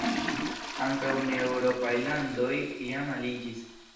Ankaŭ ne-eŭropaj landoj jam aliĝis.